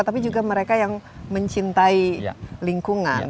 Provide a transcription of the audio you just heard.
tapi juga mereka yang mencintai lingkungan